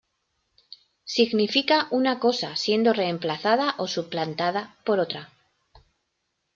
Significa una cosa siendo reemplazada o suplantada por otra.